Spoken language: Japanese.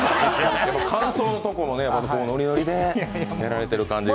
間奏のところもノリノリでやられている感じが。